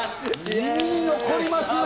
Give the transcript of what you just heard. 耳に残りますね！